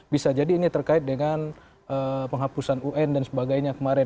bisa jadi ini terkait dengan penghapusan un dan sebagainya kemarin